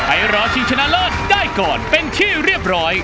ไปรอชิงชนะเลิศได้ก่อนเป็นที่เรียบร้อย